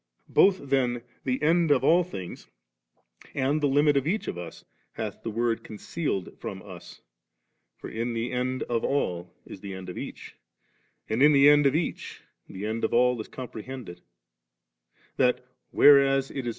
Both then, the end of all things and the limit of each of us hath the Word concealed firom us (for in the end of all is the end of eacli^ and in the end of each the end of all is com prehended), that, whereas it is uncertain sod 4 AcU i.